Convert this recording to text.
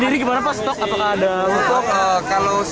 terima kasih ya